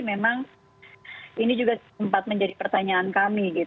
memang ini juga sempat menjadi pertanyaan kami